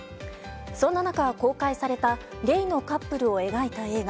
そんな中、公開されたゲイのカップルを描いた映画。